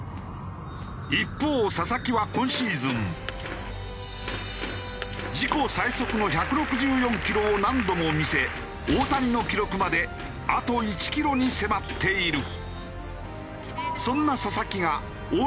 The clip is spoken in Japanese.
一方佐々木は今シーズン自己最速の１６４キロを何度も見せ大谷の記録まであと１キロに迫っている。